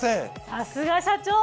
さすが社長！